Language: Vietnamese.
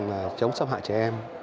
là chống xâm hại trẻ em